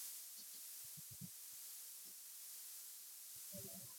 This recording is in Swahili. Shindano iko nauma